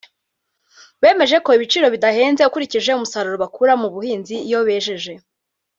bemeza ko ibiciro bidahenze ukurikije umusaruro bakura mu buhinzi iyo bejeje